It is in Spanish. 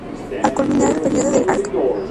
Al culminar el período del Arq.